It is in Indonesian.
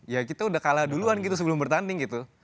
ya kita udah kalah duluan gitu sebelum bertanding gitu